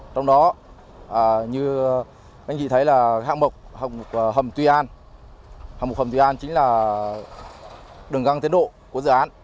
trong đó như anh chị thấy là hạng mục hầm tuy an học một hầm tuy an chính là đường găng tiến độ của dự án